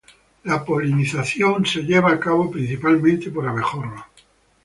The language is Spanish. La polinización es llevada a cabo principalmente por abejorros.